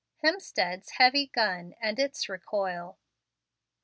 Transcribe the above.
HEMSTEAD'S HEAVY GUN AND ITS RECOIL.